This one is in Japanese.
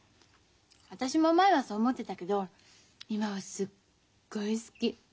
私も前はそう思ってたけど今はすっごい好き。